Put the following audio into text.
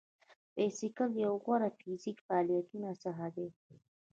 بایسکل یو له غوره فزیکي فعالیتونو څخه دی.